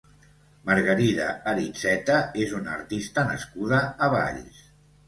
Margarida Aritzeta és una artista nascuda a Valls.